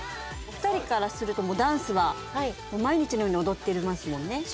２人からするとダンスは毎日のように踊ってますもんね？